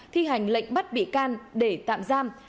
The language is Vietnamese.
thi hành lệnh bắt bị can để tạp giam